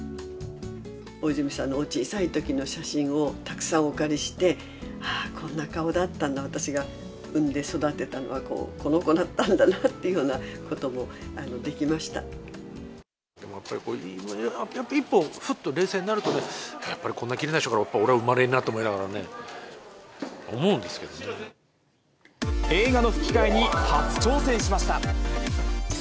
大泉さんのお小さいときの写真をたくさんお借りして、ああ、こんな顔だったんだ、私が産んで育てたのはこの子だったんだなっていうようなこともででもやっぱり、やっぱ一歩冷静になるとね、やっぱりこんなきれいな人から俺は生まれんなとか思いながらね、映画の吹き替えに初挑戦しま